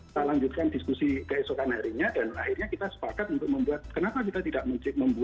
nah kemudian kita lanjutkan diskusi keesokan harinya dan akhirnya kita sepakat untuk membuat kenapa kita tidak bisa masuk